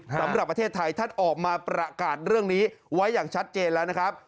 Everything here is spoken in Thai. สำหรับประเทศไทยท่านออกมาประกาศเรื่องนี้ไว้อย่างชัดเจนแล้วนะครับ